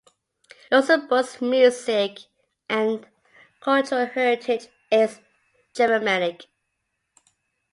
Luxembourg's music and cultural heritage is Germanic.